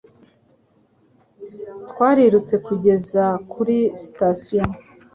Twarirutse kugeza kuri sitasiyo.